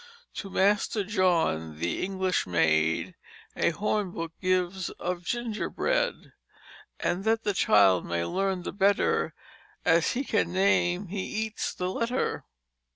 "To master John the English maid A horn book gives of gingerbread; And that the child may learn the better, As he can name, he eats the letter."